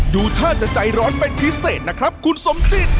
ดูท่าจะใจร้อนเป็นพิเศษนะครับคุณสมจิต